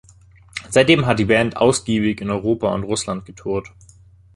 Seitdem hat die Band ausgiebig in Europa und Russland getourt.